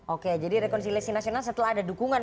oke jadi rekonsiliasi nasional setelah ada dukungan